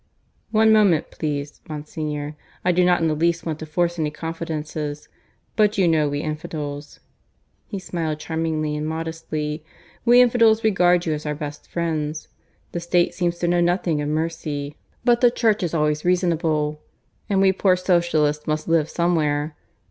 "One moment, please, Monsignor. I do not in the least want to force any confidences. But you know we infidels" (he smiled charmingly and modestly) "we infidels regard you as our best friends. The State seems to know nothing of mercy. But the Church is always reasonable. And we poor Socialists must live somewhere.